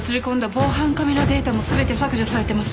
防犯カメラデータも全て削除されてます。